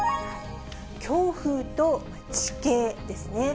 強風と地形ですね。